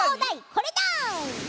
これだ！